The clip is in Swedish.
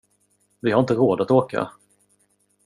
Vi har inte råd att åka.